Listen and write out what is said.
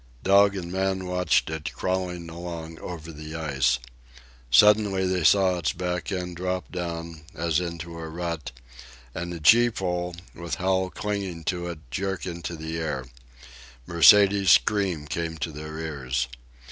Dog and man watched it crawling along over the ice. Suddenly, they saw its back end drop down, as into a rut, and the gee pole, with Hal clinging to it, jerk into the air. Mercedes's scream came to their ears.